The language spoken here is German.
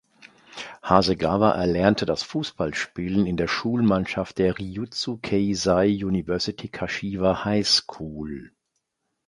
Hasegawa erlernte das Fußballspielen in der Schulmannschaft der "Ryutsu Keizai University Kashiwa High School".